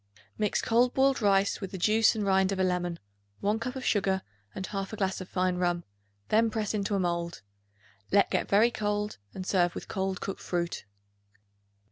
Mix cold boiled rice with the juice and rind of a lemon, 1 cup of sugar and 1/2 glass of fine rum; then press into a mold. Let get very cold and serve with cold cooked fruit.